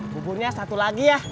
buburnya satu lagi ya